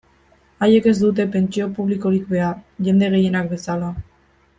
Haiek ez dute pentsio publikorik behar, jende gehienak bezala.